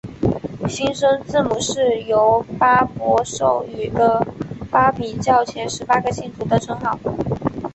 新生字母是由巴孛授予的巴比教前十八个信徒的称号。